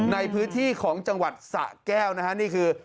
ในพื้นที่ของจังหวัดสะแก้วนะฮะนี่คือ